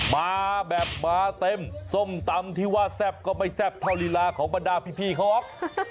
มาแบบมาเต็มส้มตำที่ว่าแซ่บก็ไม่แซ่บเท่าลีลาของบรรดาพี่เขาหรอก